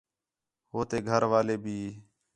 ہو تے گھر والے بھی